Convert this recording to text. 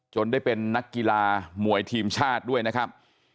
ได้เป็นนักกีฬามวยทีมชาติด้วยนะครับ